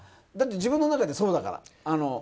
だって自分の中でそうだから。